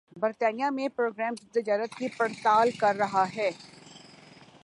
برطانیہ بھِی پروگرام تجارت کی پڑتال کر رہا ہے